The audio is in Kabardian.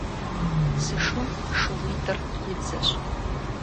Зы шум шууитӀыр и дзэщ.